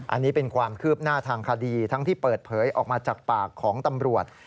อันนี้เป็นความคืบหน้าทางคดีทั้งที่เปิดเผยออกมาจากปากของตำรวจ